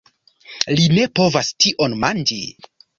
Li ne povas tion manĝi!